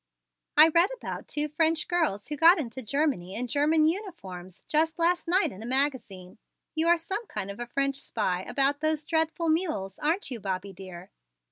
"I read about two French girls who got into Germany in German uniforms, just last night in a magazine. You are some kind of a French spy about those dreadful mules, aren't you, Bobby dear?"